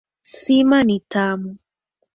Sima ni tamu.